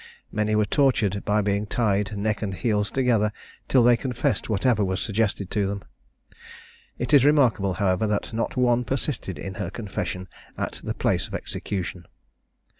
Many were tortured by being tied neck and heels together, till they confessed whatever was suggested to them. It is remarkable, however, that not one persisted in her confession at the place of execution.